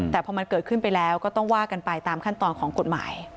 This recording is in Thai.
แต่พอมันเกิดขึ้นไปแล้วก็ต้องว่ากันไปตามขั้นตอนของกฎหมาย